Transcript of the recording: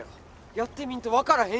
やってみんと分からへん